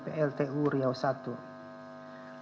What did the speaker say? pltu riau i